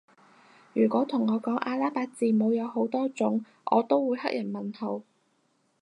如果同我講阿拉伯字母有好多種我都會黑人問號